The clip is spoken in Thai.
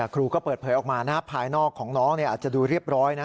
ครูก็เปิดเผยออกมาภายนอกของน้องอาจจะดูเรียบร้อยนะ